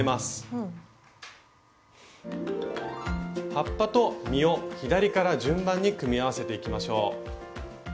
葉っぱと実を左から順番に組み合わせていきましょう。